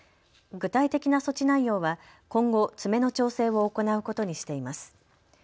具体的な措置内容は今後、詰めの調整を行うことにしています。